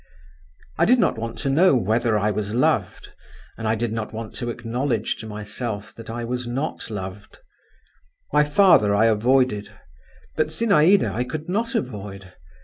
I did not want to know whether I was loved, and I did not want to acknowledge to myself that I was not loved; my father I avoided—but Zinaïda I could not avoid….